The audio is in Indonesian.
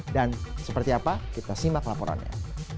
dan seperti apa kita simak laporannya